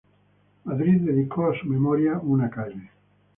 Madrid dedicó a su memoria una calle.